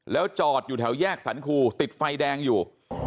แล้วจอดอยู่แถวแยกสรรคูติดไฟแดงอยู่